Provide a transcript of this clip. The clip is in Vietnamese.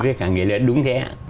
đối với cả người lớn đúng thế ạ